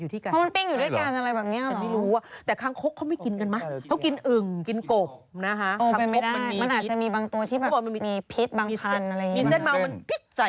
จังหว่าเนี้ย